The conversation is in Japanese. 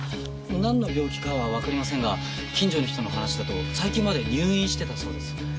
なんの病気かはわかりませんが近所の人の話だと最近まで入院してたそうです。